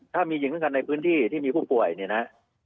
ถ้ามีหญิงสำคัญในพื้นที่ที่มีผู้ป่วยเนี่ยนะ